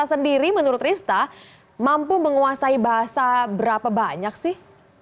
sendiri menurut rista mampu menguasai bahasa berapa banyak sih